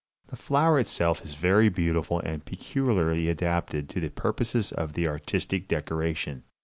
The flower itself is very beautiful, and peculiarly adapted to the purposes of artistic decoration.